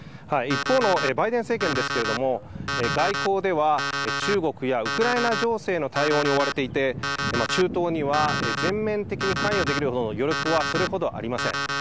一方のバイデン政権ですけれども外交では中国やウクライナ情勢の対応に追われていて中東には全面的に関与できるほどの余力は、それほどありません。